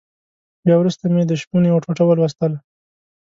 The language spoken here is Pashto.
بيا وروسته مې د شپون يوه ټوټه ولوستله.